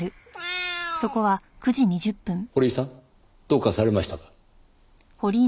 堀井さんどうかされましたか？